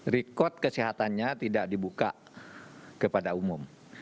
rekod kesehatannya tidak dibuka kepada umum